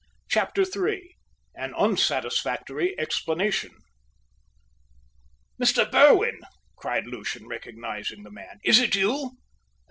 CHAPTER III AN UNSATISFACTORY EXPLANATION "Mr. Berwin!" cried Lucian, recognising the man. "Is it you?"